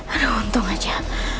aduh untung aja